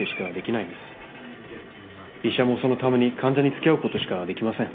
医者もそのために患者につきあうことしかできません。